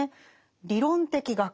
「理論的学」